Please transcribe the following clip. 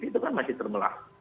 itu kan masih termelah